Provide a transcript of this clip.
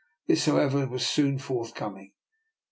This, however, was soon forthcoming.